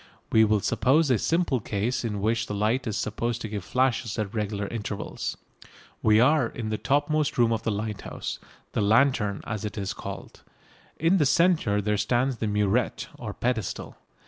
We will suppose a simple case in which the light is supposed to give flashes at regular intervals. We are in the topmost room of the lighthouse, the lantern, as it is called. In the centre there stands the murette or pedestal.